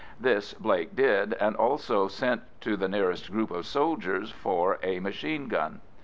This Blake did, and also sent to the nearest group of soldiers for a machine gun.